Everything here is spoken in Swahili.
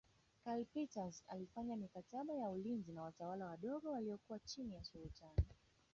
Karl Peters alifanya mikataba ya ulinzi na watawala wadogo waliokuwa chini ya Sultani